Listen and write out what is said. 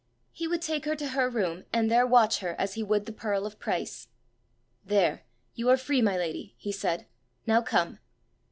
He would take her to her room, and there watch her as he would the pearl of price! "There! you are free, my lady," he said. "Now come."